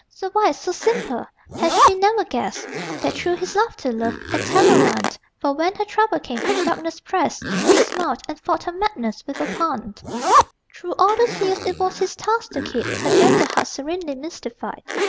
So wise, so simple has she never guessed That through his laughter, love and terror run? For when her trouble came, and darkness pressed, He smiled, and fought her madness with a pun. Through all those years it was his task to keep Her gentle heart serenely mystified.